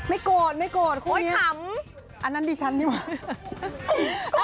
อันนั้นฉันนี่หว่ะ